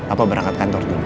apa berangkat kantor dulu